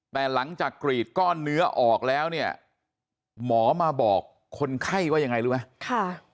แต่หลังจากกรีดก้อนเนื้อออกแล้วเนี่ยหมอมาบอกคนไข้ว่ายังไงรู้ไหม